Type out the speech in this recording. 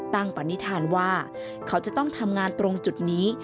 ตั้งปฏินิทานว่าเขาจะต้องทำงานตรงจุดนี้